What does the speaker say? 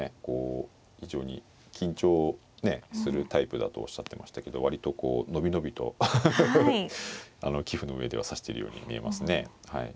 こう非常に緊張ねえするタイプだとおっしゃってましたけど割とこう伸び伸びとハハハハハ棋譜の上では指してるように見えますね。